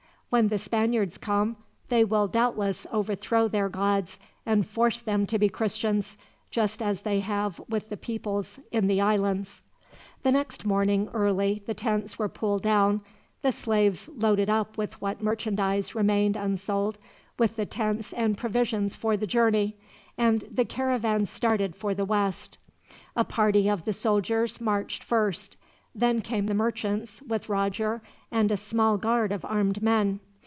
When the Spaniards come, they will doubtless overthrow their gods, and force them to be Christians, just as they have the peoples in the islands." The next morning, early, the tents were pulled down, the slaves loaded up with what merchandise remained unsold, with the tents and provisions for the journey, and the caravan started for the west. A party of the soldiers marched first. Then came the merchants, with Roger and a small guard of armed men.